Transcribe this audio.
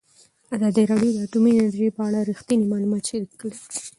ازادي راډیو د اټومي انرژي په اړه رښتیني معلومات شریک کړي.